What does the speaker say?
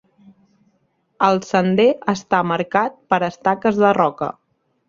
El sender està marcat per estaques de roca.